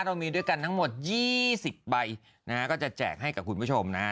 เรามีด้วยกันทั้งหมด๒๐ใบนะฮะก็จะแจกให้กับคุณผู้ชมนะฮะ